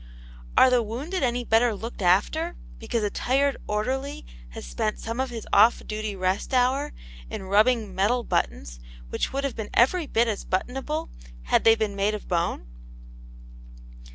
Are the wounded any better looked after because a tired orderly has spent some of his off duty rest hour in rubbing metal buttons which would have been every bit as buttonable had they been made of bone?